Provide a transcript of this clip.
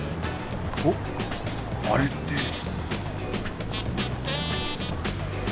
おっあれって